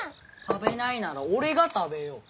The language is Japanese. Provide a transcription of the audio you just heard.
食べないなら俺が食べよう。